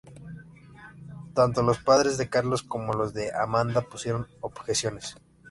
Tanto los padres de Carlos como los de Amanda pusieron objeciones.